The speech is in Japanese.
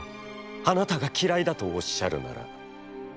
あなたがきらいだとおっしゃるなら」。